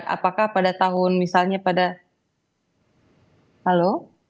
apakah pada tahun misalnya pada tahun tahun dua ribu